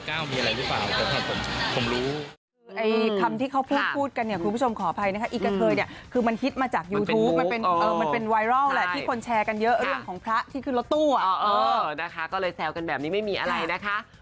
ก้าวมีอะไรหรือเปล่าแต่ของผมผมรู้